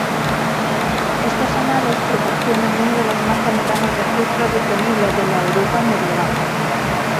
Estos anales proporcionan uno de los más tempranos registros disponibles de la Europa medieval.